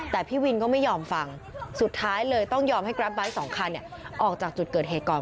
แต่พี่วินก็ไม่ยอมฟังสุดท้ายเลยต้องยอมให้กราฟไบท์สองคันออกจากจุดเกิดเหตุก่อน